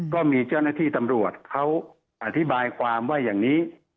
ก็มีเจ้าหน้าที่ตำรวจเขาอธิบายความว่าอย่างนี้